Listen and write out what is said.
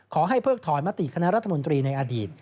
เพิกถอนมติคณะรัฐมนตรีในอดีต